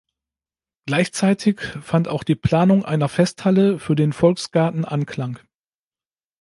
Gleichzeitig fand auch die Planung einer Festhalle für den Volksgarten Anklang.